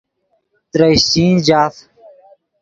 ترے اشچین جاف